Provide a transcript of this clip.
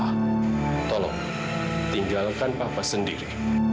ah tolong tinggalkan papa sendiri